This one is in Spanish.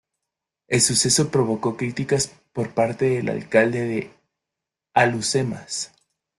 El suceso provocó críticas por parte del alcalde de Alhucemas.